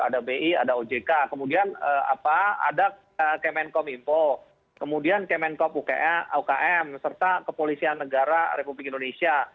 ada bi ada ojk kemudian ada kemenkom info kemudian kemenkop ukm serta kepolisian negara republik indonesia